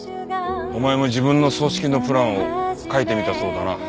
お前も自分の葬式のプランを書いてみたそうだな。